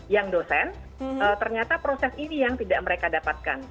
yang dosen ternyata proses ini yang tidak mereka dapatkan